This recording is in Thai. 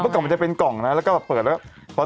กล่องมันจะเป็นกล่องนะแล้วก็เปิดแล้ว